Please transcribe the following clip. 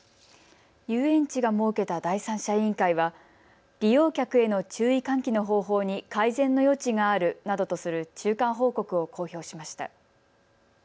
遊園地が設けた第三者委員会は利用客への注意喚起の方法に改善の余地があるなどとする中間報告を公表しました。